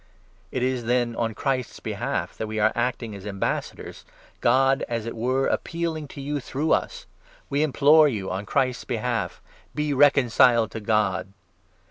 It is, then, on Christ's behalf that we are acting as 20 ambassadors, God, as it were, appealing to you through us. We implore you on Christ's behalf — Be reconciled to God.